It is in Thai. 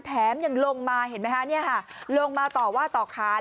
แถมยังลงมาเห็นไหมคะลงมาต่อว่าต่อค้าน